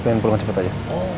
pilih pepulangan cepet aja